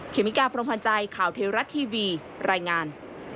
เมกาพรมพันธ์ใจข่าวเทวรัฐทีวีรายงาน